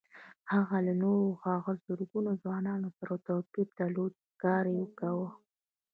هغه له نورو هغو زرګونه ځوانانو سره توپير درلود چې کار يې کاوه.